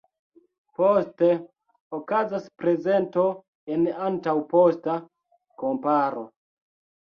Poste okazas prezento en antaŭ-posta komparo.